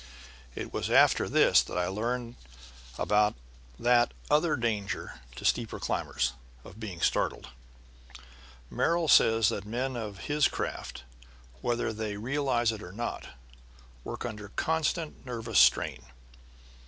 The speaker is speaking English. It was after this that I learned about that other danger to steeple climbers, of being startled. Merrill says that men of his craft, whether they realize it or not, work under constant nervous strain.